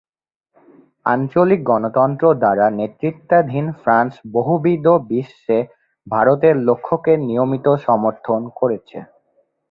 আঞ্চলিক গণতন্ত্র দ্বারা নেতৃত্বাধীন ফ্রান্স বহুবিধ বিশ্বে ভারতের লক্ষ্যকে নিয়মিত সমর্থন করেছে।